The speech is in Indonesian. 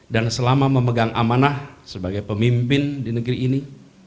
dan selama memegang amanah sebagai pemimpin di negeri ini